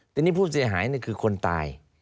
ทีนี้ผู้เสียหายคือคนตาย